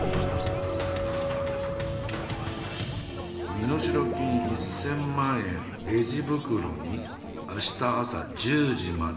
「身代金１千万円レジ袋に明日朝１０時まで。